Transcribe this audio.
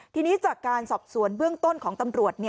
ทีนี้จากการสอบสวนเบื้องต้นของตำรวจ